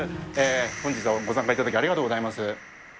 本日はご参加いただき、ありがとうございます。